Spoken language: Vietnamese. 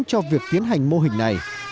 để tiến hành mô hình này